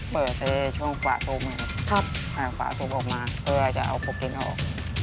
เปิดช่วงฝาศูนย์มาฝาศูนย์ออกมาเพื่อจะเอาโปรเก็นต์ออก